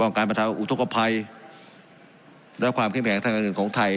การบรรเทาอุทธกภัยและความเข้มแข็งทางการเงินของไทย